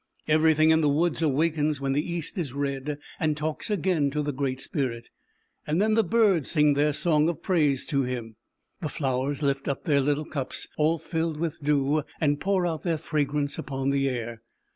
Everything in the woods awakens when the East is red, and talks again to the Great Spirit. Jhen the birds sing their song of praise Him; the flowers lift up their little cups, all filled with dew, and pour out their fragrance upon the air.